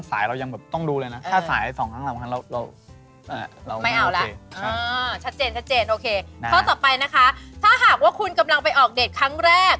อ่าชัดเจนโอเคข้อต่อไปนะคะถ้าหากว่าคุณกำลังไปออกเดทครั้งแรก